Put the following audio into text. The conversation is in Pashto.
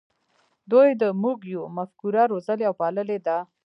دوی د "موږ یو" مفکوره روزلې او پاللې ده.